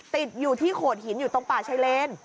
ติดอยู่ที่โขดหินอยู่ตรงป่าชายเลน